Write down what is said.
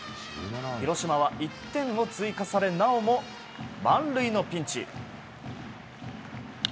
広島は、１点を追加されなおも満塁のピンチ。